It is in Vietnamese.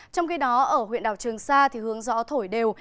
trong khi đó ở huyện đảo trường sa hướng gió thổi đều